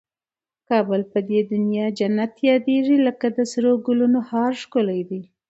کابل په دي دونیا جنت یادېږي لکه د سرو ګلنو هار ښکلی دی